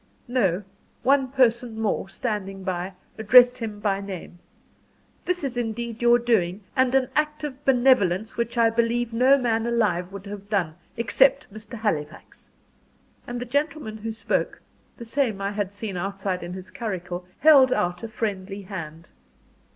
No one person more, standing by, addressed him by name. "This is indeed your doing, and an act of benevolence which I believe no man alive would have done, except Mr. Halifax." And the gentleman who spoke the same I had seen outside in his curricle held out a friendly hand.